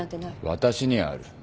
私にはある。